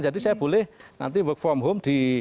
jadi saya boleh nanti work from home di